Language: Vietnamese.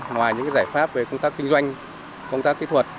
ngoài những giải pháp về công tác kinh doanh công tác kỹ thuật